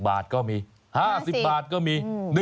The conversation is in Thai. บาทก็มี๕๐บาทก็มี